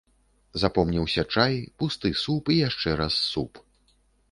Запомніўся чай, пусты суп і яшчэ раз суп.